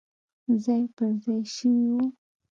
ځای پر ځای شوي وو.